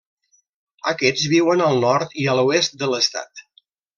Aquests viuen al nord i a l'oest de l'estat.